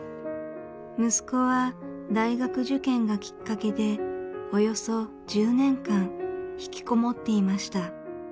息子は大学受験がきっかけでおよそ１０年間ひきこもっていました。